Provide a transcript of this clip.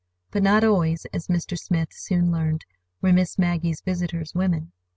But not always, as Mr. Smith soon learned, were Miss Maggie's visitors women.